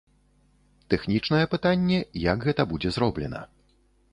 Тэхнічнае пытанне, як гэта будзе зроблена.